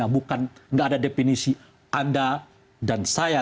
bukan tidak ada definisi anda dan saya